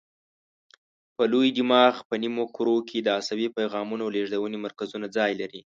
په لوی دماغ په نیمو کرو کې د عصبي پیغامونو لېږدونې مرکزونه ځای لري.